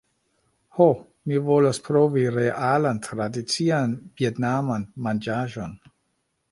"Ho, mi volas provi realan tradician vjetnaman manĝaĵon